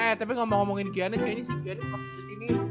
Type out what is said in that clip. ya eh tapi ngomongin giannis ini si giannis bakal kesini